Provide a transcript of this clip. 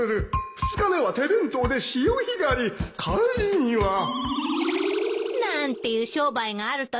２日目は手弁当で潮干狩り帰りにはなんていう商売があるといいのにね。